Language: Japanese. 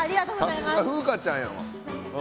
さすが風花ちゃんやわ。